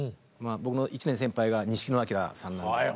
僕の１年先輩が錦野旦さんなんで。